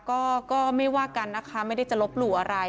ก็ไม่ว่ากันนะคะไม่ได้จะลบหลู่อะไร